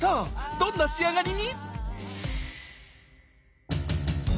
どんな仕上がりに？